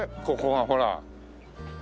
ここがほら。